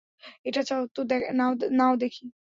এটা চাও, তো নাও দেখি?